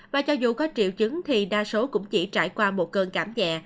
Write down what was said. và cho dù có triệu chứng thì đa số cũng chỉ trải qua một cơn cảm nhẹ